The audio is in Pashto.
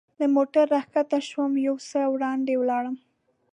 له موټره را کښته شوم، یو څه وړاندې ولاړم.